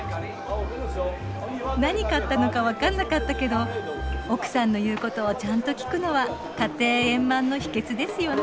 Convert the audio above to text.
何買ったのか分かんなかったけど奥さんの言うことをちゃんと聞くのは家庭円満の秘けつですよね。